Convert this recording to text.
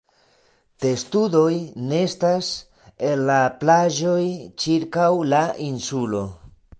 Testudoj nestas en la plaĝoj ĉirkaŭ la insulo.